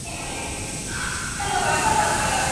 چي شیخ مړ قبر یې ورک وي باد یې نښی د پله وړي